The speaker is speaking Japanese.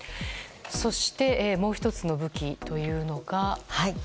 そして、もう１つの武器というのが。